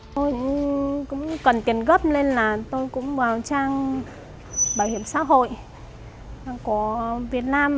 tôi cũng cần tiền gấp nên là tôi cũng vào trang bảo hiểm xã hội của việt nam